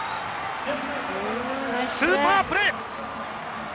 スーパープレー！